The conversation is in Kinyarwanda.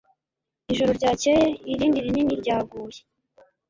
Ijoro ryakeye irindi rinini ryaguye.